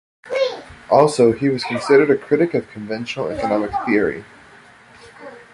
Also, he was considered a critic of conventional economic theory.